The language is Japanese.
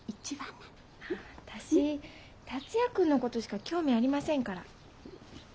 私達也君のことしか興味ありませんから。